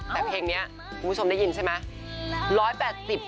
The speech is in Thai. แต่เพลงนี้คุณผู้ชมได้ยินใช่ไหม